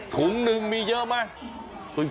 ถุงหนึ่งมีเยอะมั้ย